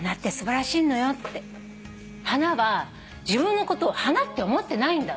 「花は自分のことを花って思ってないんだ」